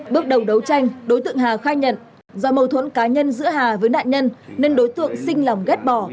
bước đầu đấu tranh đối tượng hà khai nhận do mâu thuẫn cá nhân giữa hà với nạn nhân nên đối tượng xinh lòng ghép bỏ